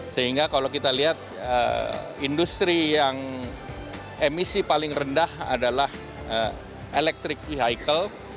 sehingga kalau kita lihat industri yang emisi paling rendah adalah electric vehicle